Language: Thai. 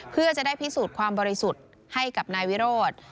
เพื่อจะได้พิสูจน์ความบริสุทธิ์ให้กับนายวิโรธ